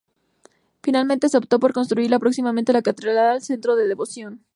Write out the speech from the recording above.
Finalmente se optó por construirla próxima a la Catedral, centro de devoción.